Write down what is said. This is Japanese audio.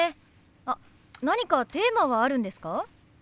あっ何かテーマはあるんですか？